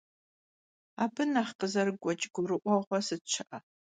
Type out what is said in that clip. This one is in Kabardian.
Abı nexh khızerıgueç' gurı'ueğue sıt şı'e?